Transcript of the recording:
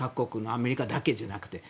アメリカだけじゃなくて。